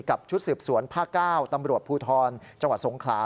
กับชุดสืบสวนผ้าเก้าตำรวจภูทรจังหวัดสงครา